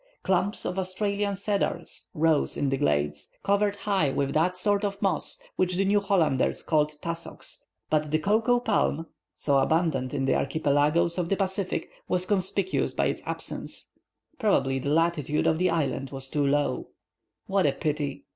Clumps of Australian cedars rose in the glades, covered high with that sort of moss which the New Hollanders call tussocks; but the cocoa palm, so abundant in the archipelagoes of the Pacific, was conspicuous by its absence. Probably the latitude of the island was too low. "What a pity!"